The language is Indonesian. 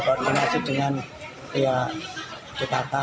kondisinya obesitas dan di tipe berat